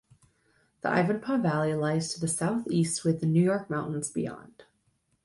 The Ivanpah Valley lies to the southeast with the New York Mountains beyond.